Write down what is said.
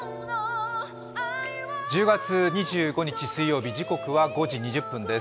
１０月２５日水曜日、時刻は５時２０分です。